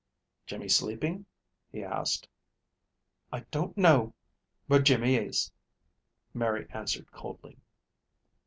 "Jimmy sleeping?" he asked. "I don't know where Jimmy is," Mary answered coldly.